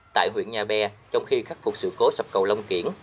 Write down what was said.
tại huyện nhà bè trong khi khắc phục sự cố sập cầu long kiển